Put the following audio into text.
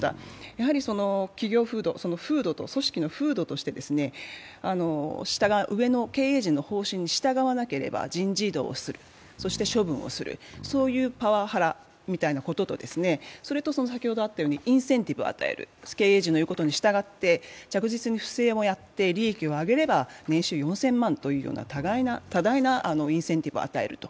やはり、企業風土、組織の風土として下が上の経営陣の方針に従わなければ人事異動をする、そして処分をする、そういうパワハラみたいなこととそれとインセンティブを与える経営陣の言うことに従って、着実に不正もやって利益を上げれば年収４０００万というような多大なインセンティブを与える。